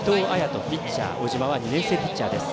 小島は２年生ピッチャーです。